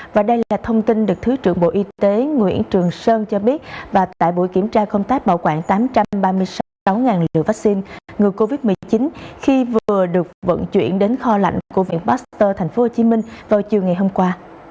và đây là thông tin được thứ trưởng bộ y tế nguyễn trường sơn cho biết và tại buổi kiểm tra công tác bảo quản tám trăm ba mươi sáu liều vaccine ngừa covid một mươi chín khi vừa được vận chuyển đến kho lạnh của viện pasteur tp hcm vào chiều ngày hôm qua